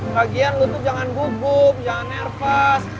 kagian lu tuh jangan gugup jangan nervous